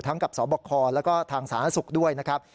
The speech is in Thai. กับสบคแล้วก็ทางสาธารณสุขด้วยนะครับ